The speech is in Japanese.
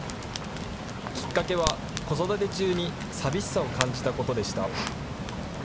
きっかけは子育て中に寂しさを感じたことでした。